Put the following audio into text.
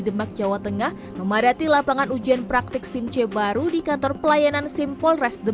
bawah tengah memadati lapangan ujian praktik simc baru di kantor pelayanan simpol rest the